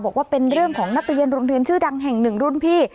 บอกว่าเป็นเรื่องของนักเรียนโรงเรียนชื่อดังแห่งหนึ่งรุ่นพี่